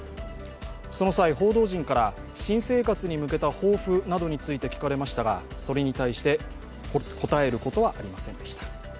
その際、報道陣から新生活に向けた抱負などについて聞かれましたが、それに対して、答えることはありませんでした。